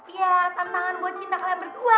ya tantangan buat cinta kalian berdua